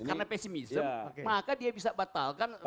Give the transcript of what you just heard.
karena pesimism maka dia bisa batalkan feudalisme